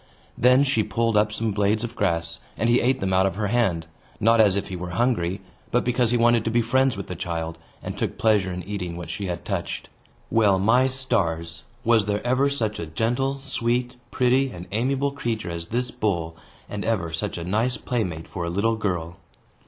Then she pulled up some blades of grass, and he ate them out of her hand, not as if he were hungry, but because he wanted to be friends with the child, and took pleasure in eating what she had touched. Well, my stars! was there ever such a gentle, sweet, pretty, and amiable creature as this bull, and ever such a nice playmate for a little girl?